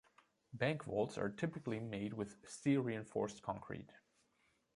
Bank vaults are typically made with steel-reinforced concrete.